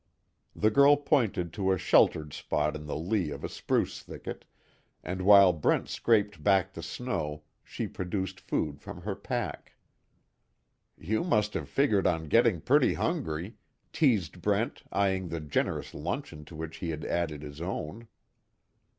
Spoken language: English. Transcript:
The girl pointed to a sheltered spot in the lee of a spruce thicket, and while Brent scraped back the snow, she produced food from her pack. "You must have figured on getting pretty hungry," teased Brent, eying the generous luncheon to which he had added his own.